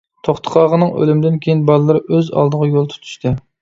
توختى قاغىنىڭ ئۆلۈمىدىن كېيىن بالىلىرى ئۆز ئالدىغا يول تۇتۇشتى.